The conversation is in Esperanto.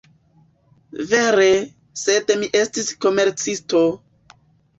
Vere! sed mi estis komercisto!